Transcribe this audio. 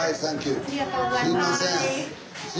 ありがとうございます。